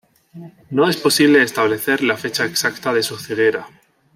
No es posible establecer la fecha exacta de su ceguera.